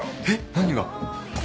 何が！？